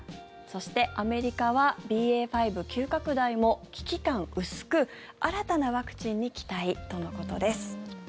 そして、アメリカはＢＡ．５急拡大も、危機感薄く新たなワクチンに期待とのことです。